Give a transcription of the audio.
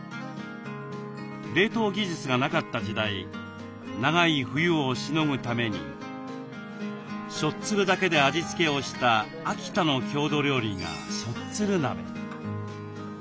冷凍技術がなかった時代長い冬をしのぐためにしょっつるだけで味付けをした秋田の郷土料理がしょっつる鍋。